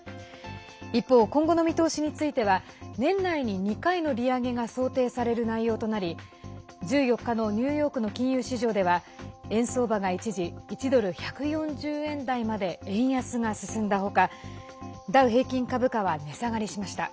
一方、今後の見通しについては年内に２回の利上げが想定される内容となり１４日のニューヨークの金融市場では円相場は一時１ドル＝１４０円台まで円安が進んだ他ダウ平均株価は値下がりしました。